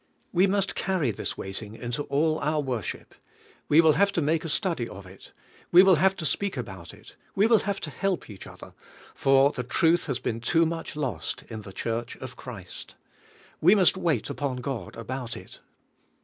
We must carry this waiting into all our worship; we will have to make a study of it; we will have to speak about it; we will have to help each other, for the truth has been too much lost in the Church of Christ; we must wait upon God about it.